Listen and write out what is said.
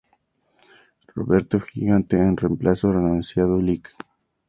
Roberto Gigante en reemplazo renunciado Lic.